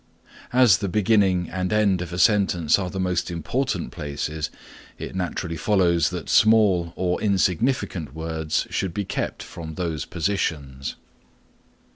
As the beginning and end of a sentence are the most important places, it naturally follows that small or insignificant words should be kept from these positions.